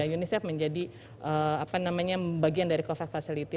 unicef menjadi bagian dari covax facility